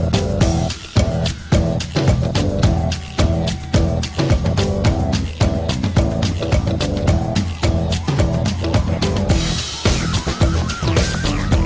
โปรดติดตามตอนต่อไป